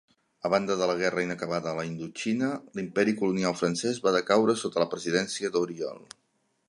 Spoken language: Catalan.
A banda de la guerra inacabada a la Indoxina, l'imperi colonial francès va decaure sota la presidència d'Auriol.